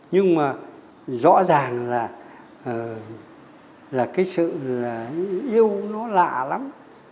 nhưng mà rõ ràng là cái sự là yêu nó lạ lắm